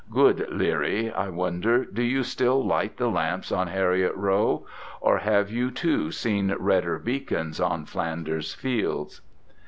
Good Leerie, I wonder do you still light the lamps on Heriot Row, or have you too seen redder beacons on Flanders fields?